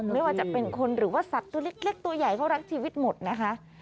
ไม่ว่าจะเป็นคนหรือว่าสัตว์ตัวเล็กตัวใหญ่เขารักชีวิตหมดนะคะ